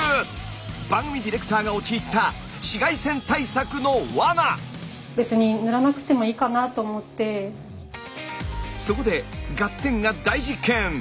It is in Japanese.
番組ディレクターが陥ったそこで「ガッテン！」が大実験。